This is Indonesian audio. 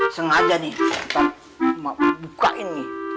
sengaja nih bukain nih